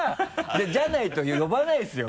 じゃないと呼ばないですよ。